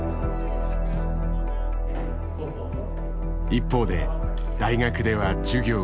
一方で大学では授業が進む。